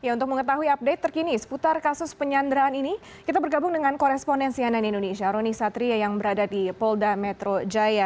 untuk mengetahui update terkini seputar kasus penyanderaan ini kita bergabung dengan korespondensi ann indonesia roni satria yang berada di polda metro jaya